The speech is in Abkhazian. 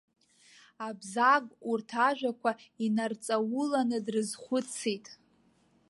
Абзагә урҭ ажәақәа инарҵауланы дрызхәыцит.